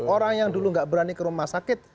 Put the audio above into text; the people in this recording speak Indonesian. orang yang dulu nggak berani ke rumah sakit